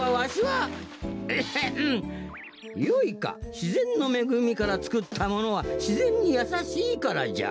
しぜんのめぐみからつくったものはしぜんにやさしいからじゃ。